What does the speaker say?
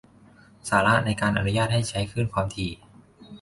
สาระในการอนุญาตให้ใช้คลื่นความถี่